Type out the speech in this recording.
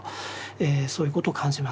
そういうことを感じましたね。